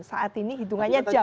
saat ini hitungannya jam